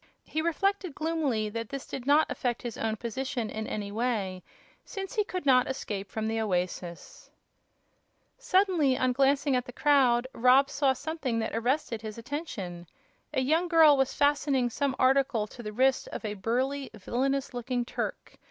He reflected, gloomily, that this did not affect his own position in any way, since he could not escape from the oasis. Suddenly, on glancing at the crowd, Rob saw something that arrested his attention. A young girl was fastening some article to the wrist of a burly, villainous looking Turk.